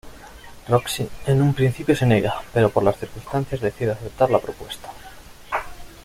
Roxy en un principio se niega, pero por las circunstancias decide aceptar la propuesta.